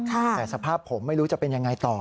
แต่สภาพผมไม่รู้จะเป็นยังไงต่อ